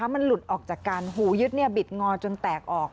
มันหลุดออกจากการหูยึดบิดงอจนแตกออก